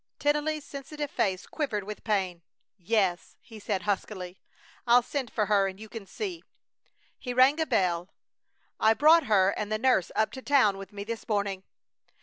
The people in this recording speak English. Tennelly's sensitive face quivered with pain. "Yes," he said, huskily. "I'll send for her and you can see." He rang a bell. "I brought her and the nurse up to town with me this morning."